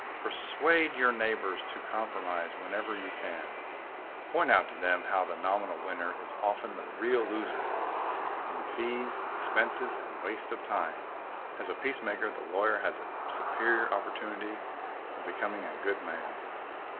"Persuade your neighbors to compromise whenever you can. Point out to them how the nominal winner is often the real loser— in fees, expenses, and waste of time. As a peacemaker the lawyer has a superior opportunity of becom ing a good man.